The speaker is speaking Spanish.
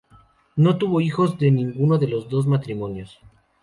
No tuvo hijos de ninguno de los dos matrimonios.